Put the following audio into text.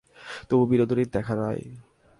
তবু বিনোদিনীর দেখা নাই।